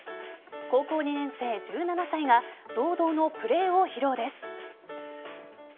高校２年生、１７歳が堂々のプレーを披露です。